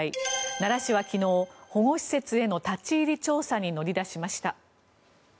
奈良市は昨日保護施設への立ち入り調査に乗り出しました。